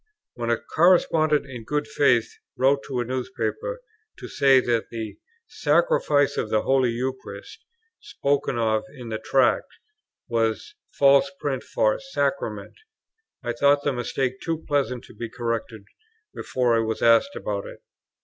When a correspondent, in good faith, wrote to a newspaper, to say that the "Sacrifice of the Holy Eucharist," spoken of in the Tract, was a false print for "Sacrament," I thought the mistake too pleasant to be corrected before I was asked about it.